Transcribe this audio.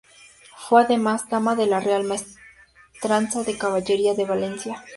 Fue, además, Dama de la Real Maestranza de Caballería de Valencia.